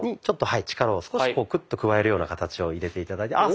ちょっとはい力を少しクッと加えるような形を入れて頂いて。